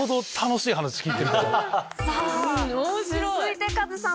さぁ続いてカズさん